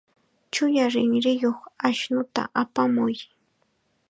Chulla rinriyuq ashnuta apamuy.